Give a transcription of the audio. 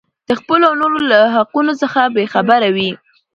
د خپلو او نورو له حقونو څخه بې خبره وي.